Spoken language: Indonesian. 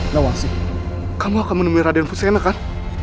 nawasi kamu akan menemui raden fusena kan